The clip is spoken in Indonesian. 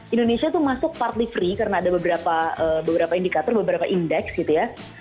indonesia itu masuk partly free karena ada beberapa indikator beberapa indeks gitu ya